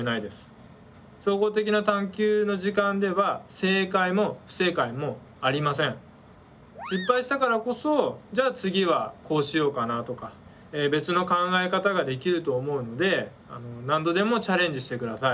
設定した課題は失敗したからこそじゃあ次はこうしようかなとか別の考え方ができると思うので何度でもチャレンジしてください。